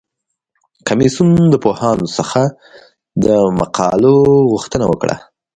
کمیسیون د پوهانو څخه د مقالو غوښتنه وکړه.